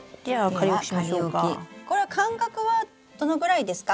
これは間隔はどのぐらいですか？